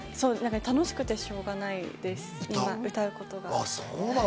楽しくてしょうがないです、歌うことが。